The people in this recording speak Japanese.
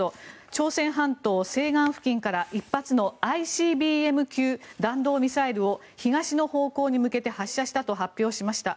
朝鮮半島西岸付近から１発のＩＣＢＭ級弾道ミサイルを東の方向に向けて発射したと発表しました。